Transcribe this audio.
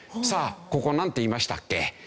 ここなんていいましたっけ？